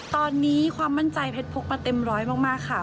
ตอนนี้ความมั่นใจเพชรพกมาเต็มร้อยมากค่ะ